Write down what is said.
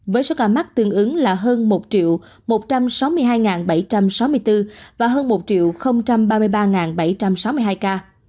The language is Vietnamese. với số ca mắc tương ứng là hơn một một trăm sáu mươi hai bảy trăm sáu mươi bốn và hơn một ba mươi ba bảy trăm sáu mươi hai ca